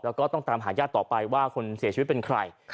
แล้วก็ต้องตามหาญาติต่อไปว่าคนเสียชีวิตเป็นใคร